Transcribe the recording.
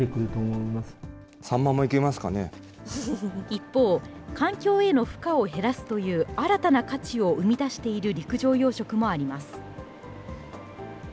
一方、環境への負荷を減らすという新たな価値を生み出している陸上養殖もあります。